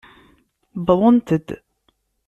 Wwḍent-d.